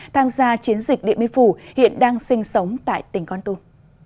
tham gia chiến dịch điện biên phủ hiện đang sinh sống tại tỉnh con tum